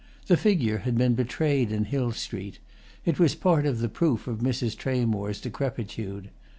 The figure had been betrayed in Hill Street; it was part of the proof of Mrs. Tramore's decrepitude.